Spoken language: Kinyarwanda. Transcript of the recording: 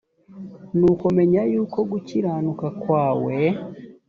nuko menya yuko gukiranuka kwawe